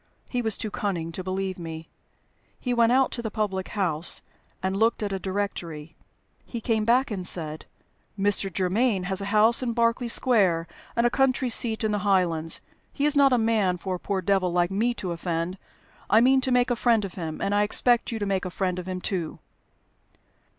He was too cunning to believe me; he went out to the public house and looked at a directory. He came back and said, 'Mr. Germaine has a house in Berkeley Square and a country seat in the Highlands. He is not a man for a poor devil like me to offend; I mean to make a friend of him, and I expect you to make a friend of him too.'